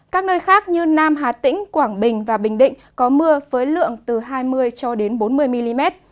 các nơi khác như nam hà tĩnh quảng bình và bình định có mưa với lượng từ hai mươi cho đến bốn mươi mm